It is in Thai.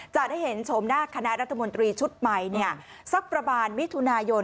จะได้เห็นชมหน้าคณะรัฐมนตรีชุดใหม่สักประมาณมิถุนายน